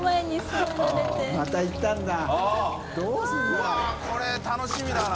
うわっこれ楽しみだな。